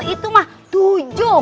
itu mah tujuh